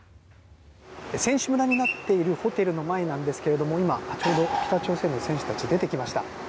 選手村になっているホテルの前なんですが今、ちょうど北朝鮮の選手たち出てきました。